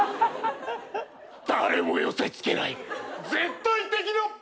誰も寄せ付けない絶対的なパワーが！